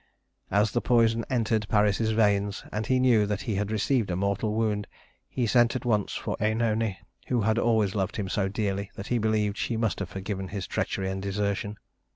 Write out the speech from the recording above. As the poison entered Paris's veins, and he knew that he had received a mortal wound, he sent at once for Œnone, who had always loved him so dearly that he believed she must have forgiven his treachery and desertion.